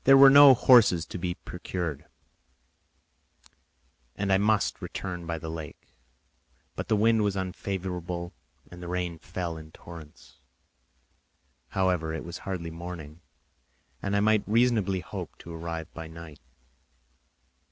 There were no horses to be procured, and I must return by the lake; but the wind was unfavourable, and the rain fell in torrents. However, it was hardly morning, and I might reasonably hope to arrive by night.